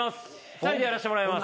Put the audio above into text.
２人でやらせてもらいます。